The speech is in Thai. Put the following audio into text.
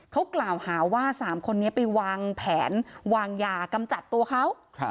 เขากล่าวหาว่า๓คนนี้ไปวางแผนวางยากำจัดตัวเขา